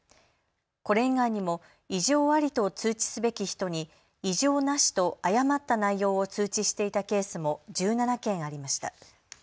これ以外にも異常ありと通知すべき人に異常なしと誤った内容を通知していたケースも１７件ありました。